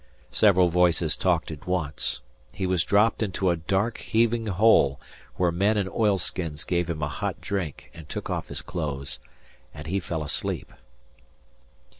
Several voices talked at once; he was dropped into a dark, heaving hole, where men in oilskins gave him a hot drink and took off his clothes, and he fell asleep.